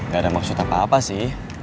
gak ada maksud apa apa sih